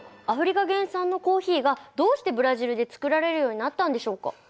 アフリカ原産のコーヒーがどうしてブラジルで作られるようになったんでしょうか？